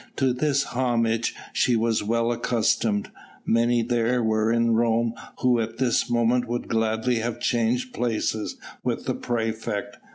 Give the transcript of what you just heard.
To this homage she was well accustomed. Many there were in Rome who at this moment would gladly have changed places with the praefect.